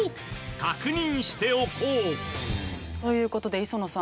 確認しておこう。という事で磯野さん。